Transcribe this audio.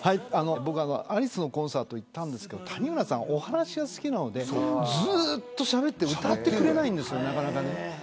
僕はアリスのコンサート行ったんですけど谷村さん、お話が好きなのでずっとしゃべって歌ってくれないんですなかなか。